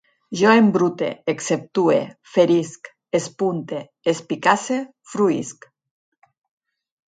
Jo embrute, exceptue, ferisc, espunte, espicasse, fruïsc